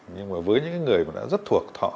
nhưng mà với những người đã rất thuộc thọ